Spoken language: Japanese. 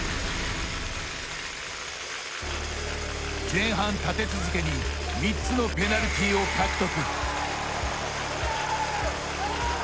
前半、立て続けに３つのペナルティを獲得。